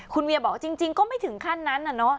คุณเวียบอกจริงก็ไม่ถึงขั้นนั้นน่ะเนอะ